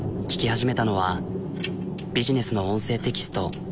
聴き始めたのはビジネスの音声テキスト。